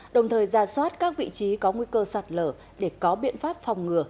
đồng thời ra soát các vị trí có nguy cơ sạt lở để có biện pháp phòng ngừa